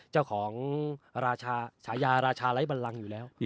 เจ้าของราชาฉายาราชาไร้บันลังอยู่แล้ว